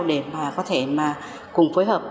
để có thể cùng phối hợp